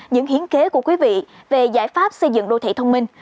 những hiến kế của quý vị về giải pháp xây dựng đô thị thông minh